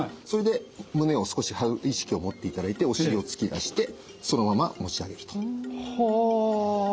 それで胸を少し張る意識を持っていただいてお尻を突き出してそのまま持ち上げると。